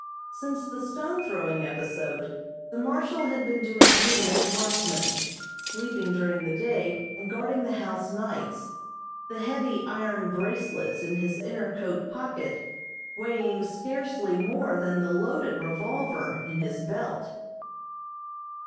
Since the stone throwing episode the Marshal had been doing duty as watchman, sleeping during the day and guarding the house nights, the heavy iron "bracelets" in his inner coat pocket weighing scarcely more than the loaded revolver in his belt.